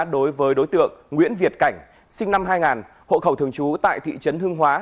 đối với đối tượng nguyễn việt cảnh sinh năm hai nghìn hộ khẩu thường trú tại thị trấn hương hóa